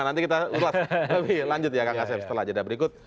nanti kita lanjut kang asep setelah jeda berikut